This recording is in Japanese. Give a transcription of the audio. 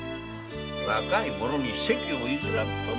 若い者に席を譲らんとな。